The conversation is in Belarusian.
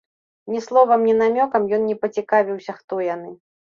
Ні словам, ні намёкам ён не пацікавіўся, хто яны.